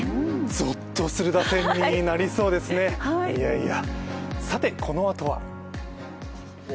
ぞっとする打線になりそうですね、いやいや。